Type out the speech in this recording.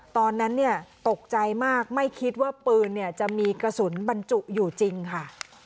ตอนนั้นเนี่ยตกใจมากไม่คิดว่าปืนจะมีกระสุนบรรจุอยู่จริงค่ะ